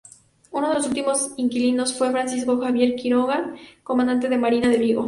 Uno de los últimos inquilinos fue Francisco Javier Quiroga, comandante de Marina de Vigo.